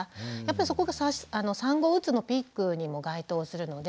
そこが産後うつのピークにも該当するので。